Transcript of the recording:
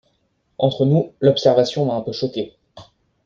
Entre nous, l’observation m’a un peu choquée.